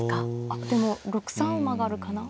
あっでも６三馬があるかな。